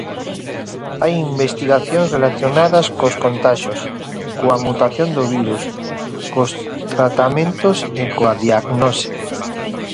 Hai investigacións relacionadas cos contaxios, coa mutación do virus, cos tratamentos e coa diagnose.